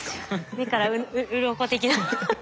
目からうろこ的な。